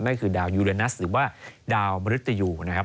นั่นคือดาวยูเรนัสหรือว่าดาวมริตยูนะครับ